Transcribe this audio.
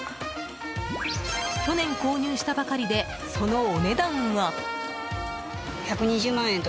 去年、購入したばかりでそのお値段は。